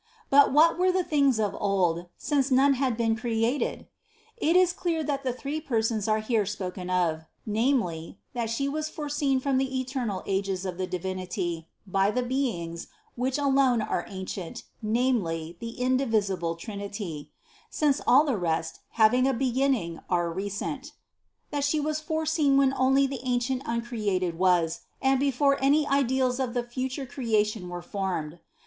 But what were the things "of old," since none had been created ? It is clear that the three Persons are here spoken of, namely, that She was foreseen from the eternal ages of the Divinity, by the Beings, which alone are ancient, namely, the indivisible Trinity (since all the rest, having a beginning, are recent), that She was fore seen when only the ancient Uncreated was, and before any ideals of the future creation were formed.